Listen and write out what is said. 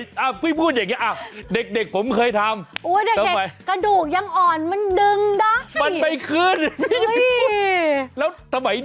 ถ้าฝากหมอไว้เดี๋ยวไปเอา